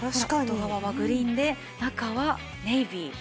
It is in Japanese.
外側はグリーンで中はネイビー。